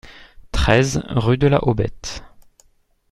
treize rue de la Hobette